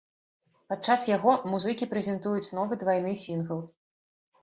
Падчас яго музыкі прэзентуюць новы двайны сінгл.